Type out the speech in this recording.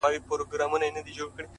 زه د دردونو د پاچا په حافظه کي نه يم-